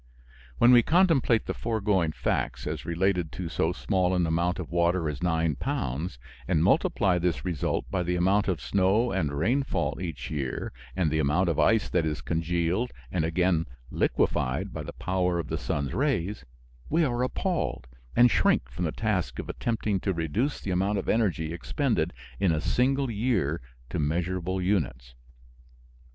When we contemplate the foregoing facts as related to so small an amount of water as nine pounds, and multiply this result by the amount of snow and rainfall each year and the amount of ice that is congealed and again liquefied by the power of the sun's rays, we are appalled, and shrink from the task of attempting to reduce the amount of energy expended in a single year to measurable units.